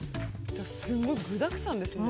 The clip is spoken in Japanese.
すごい具だくさんですね。